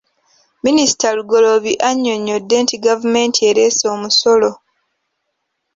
Minisita Lugoloobi annyonnyodde nti gavumenti ereese omusolo.